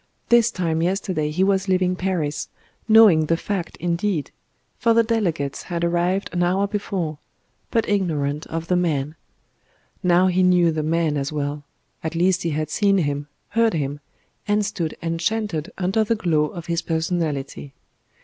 This time yesterday he was leaving Paris, knowing the fact indeed for the delegates had arrived an hour before but ignorant of the Man. Now he knew the Man as well at least he had seen Him, heard Him, and stood enchanted under the glow of His personality.